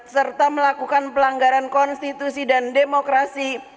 serta melakukan pelanggaran konstitusi dan demokrasi